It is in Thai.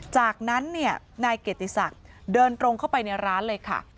จากนั้นเนี่ยนายเกียรติศักดิ์เดินตรงเข้าไปในร้านเลยค่ะ